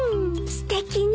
すてきね。